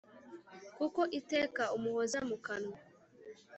Kuko iteka umuhoza mukanwa